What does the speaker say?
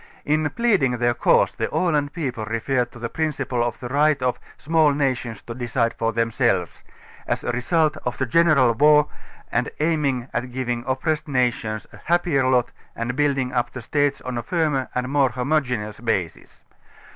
In pleading their cause the Aland people refer to the principle of the right of ,.small nations to decide for themselves", a result of the general war and aiming at giving 16 oppressed nations a happier lot and building up the states on a firmer and more homogeneons basis.